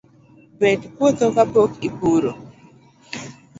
Bet puotho kapok ipuro